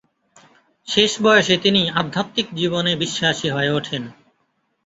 শেষ বয়সে তিনি আধ্যাত্মিক জীবনে বিশ্বাসী হয়ে ওঠেন।